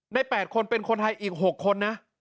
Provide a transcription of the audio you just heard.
ใน๘คนเป็นคนไทยอีก๖คนนะ